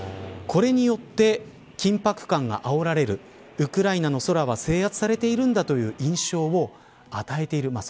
これによって緊迫感があおられるウクライナの空は制圧されているんだという印象を与えている。